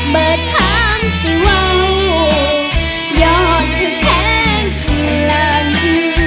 เบิดข้ามสิว่าโหยอดทุกแข็งข้างล่าง